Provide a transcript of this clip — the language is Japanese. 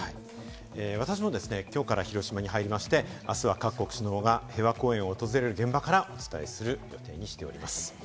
私もきょうから広島に入りまして、明日は各国首脳が平和公園を訪れる現場からお伝えする予定にしております。